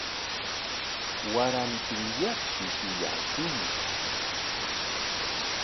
Warantinyaqshi shuyaashunki.